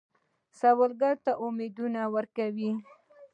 سوالګر ته امیدونه ورکوئ